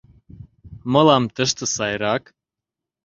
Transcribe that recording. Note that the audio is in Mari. Мылам тыште сайрак.